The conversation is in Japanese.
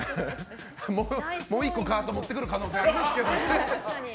もう１個カート持ってくる可能性もありますけど。